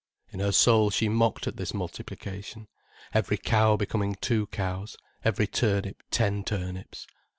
In her soul she mocked at this multiplication, every cow becoming two cows, every turnip ten turnips.